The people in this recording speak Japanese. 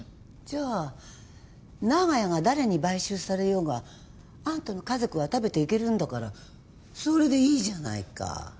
じゃあ長屋が誰に買収されようがあんたの家族は食べていけるんだからそれでいいじゃないか。